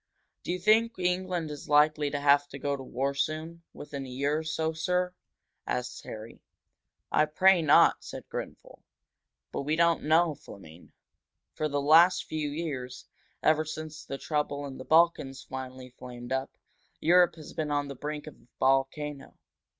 "Do you think England is likely to have to go to war soon within a year or so, sir?" asked Harry. "I pray not," said Grenfel. "But we don't know, Fleming. For the last few years ever since the trouble in the Balkans finally flamed up Europe has been on the brink of a volcano.